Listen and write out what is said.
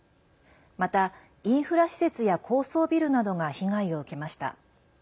また、インフラ施設や高層ビルなどが被害を受けました。